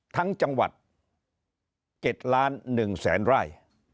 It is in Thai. ทั้งจังหวัด๗ล้าน๑แสนไร่